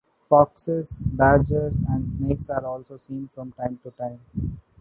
Foxes, badgers and snakes are also seen from time to time.